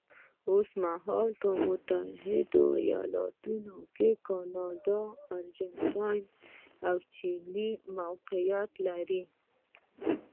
اوس مهال متحده ایالتونه، کاناډا، ارجنټاین او چیلي موقعیت لري.